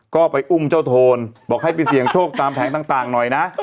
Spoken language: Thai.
ก็ไปอุ้มเจ้าโทนบอกให้ไปเสี่ยงโชคตามแผงต่างหน่อยนะ